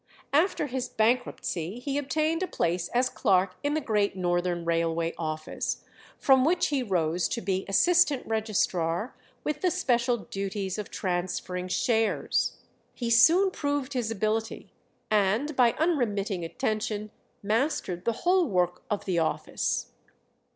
After his bankruptcy he obtained a place as clerk in the Great Northern Railway office, from which he rose to be assistant registrar, with the special duties of transferring shares. He soon proved his ability, and by unremitting attention mastered the whole work of the office.